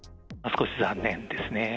少し残念ですね。